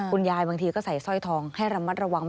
บางทีก็ใส่สร้อยทองให้ระมัดระวัง